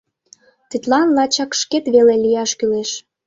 Тидлан лачак шкет веле лияш кӱлеш.